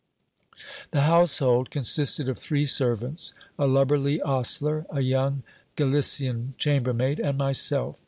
The household consisted of three servants : a lubberly ostler, a young Gali cian chambermaid, and myself.